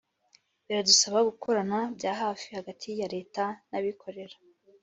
biradusaba gukorana bya hafi hagati ya Leta n’abikorera